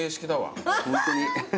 ホントに。